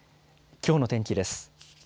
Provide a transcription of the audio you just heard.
きょうの天気です。